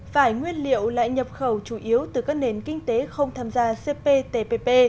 phải nguyên liệu lại nhập khẩu chủ yếu từ các nền kinh tế không tham gia cptpp